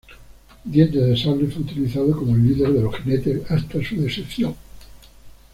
Dientes de Sable fue utilizado como el líder de los jinetes hasta su deserción.